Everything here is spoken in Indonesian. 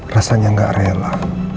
rasanya gak rela